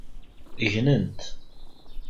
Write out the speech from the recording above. Gnent.